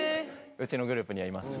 うちのグループにいます。